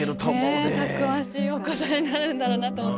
ねぇたくましいお子さんになるんだろうなと思ったし。